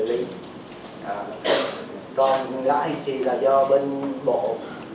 còn lãi thì là do bên bộ thông tin truyền thông trực tiếp là cục phát thanh truyền thông và thông tin điện tử